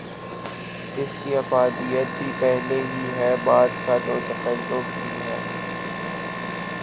اس کی افادیت بھی پہلے ہی ہے، بعد کا تو تکلف ہی ہے۔